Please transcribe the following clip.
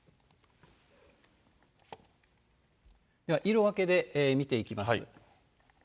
色分けで見ていきます。